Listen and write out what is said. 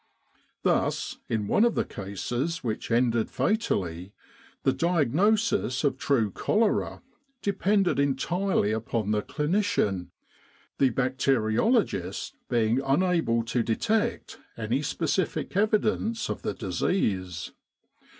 Thus, in one of trie cases which ended fatally, the diagnosis of true cholera depended entirely upon the clinician, the bacteriologist being unable to detect any specific evidence of the disease.